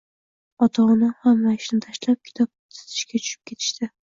Ota-onam hamma ishni tashlab, kitob titishga tushib ketishdi.